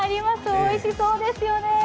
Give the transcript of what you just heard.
おいしそうですよね。